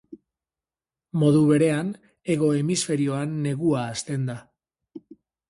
Modu berean, hego hemisferioan negua hasten da.